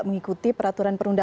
maka perlunya ada